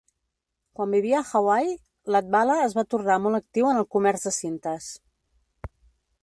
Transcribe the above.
Quan vivia a Hawaii, Latvala es va tornar molt actiu en el comerç de cintes.